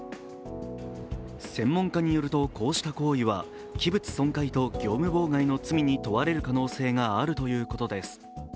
専門家によると、こうした行為は器物損壊と業務妨害の罪に問われる可能性があるということです。